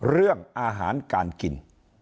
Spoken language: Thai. เรื่องอาหารการกิน